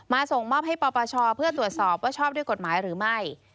ส่งมอบให้ปปชเพื่อตรวจสอบว่าชอบด้วยกฎหมายหรือไม่